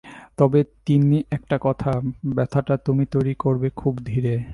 তবে তিন্নি একটি কথা, ব্যথাটা তুমি তৈরি করবে খুব ধীরে।